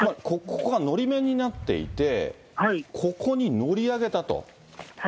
ここがのり面になっていて、ここに乗り上げたと。